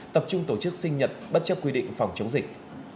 tập trung tổ chức sinh nhật bất chấp quy định phòng chống dịch